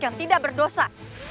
yang tidak berdosa